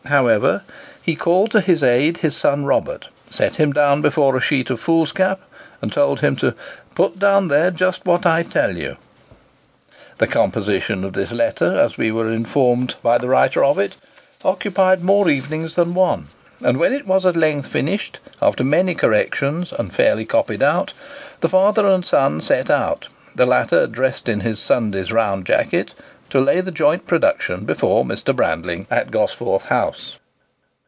However, he called to his aid his son Robert, set him down before a sheet of foolscap, and told him to "put down there just what I tell you." The composition of this letter, as we were informed by the writer of it, occupied more evenings than one; and when it was at length finished, after many corrections, and fairly copied out, the father and son set out—the latter dressed in his Sunday's round jacket—to lay the joint production before Mr. Brandling, at Gosforth House.